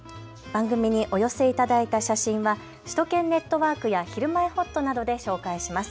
番組にお寄せいただいた写真は首都圏ネットワークやひるまえほっとなどで紹介します。